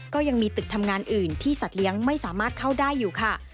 ก็ยังมีตึกทำงานอื่นที่สัตว์เลี้ยงไม่สามารถเข้าได้อยู่ค่ะ